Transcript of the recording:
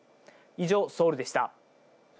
以上、ソウルでした。